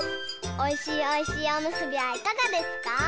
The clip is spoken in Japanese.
おいしいおいしいおむすびはいかがですか？